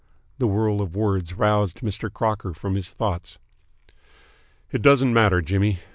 The whirl of words roused Mr. Crocker from his thoughts. "It doesn't matter, Jimmy.